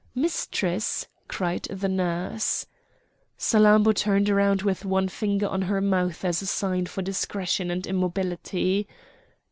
"Mistress!" cried the nurse. Salammbô turned round with one finger on her mouth as a sign for discretion and immobility.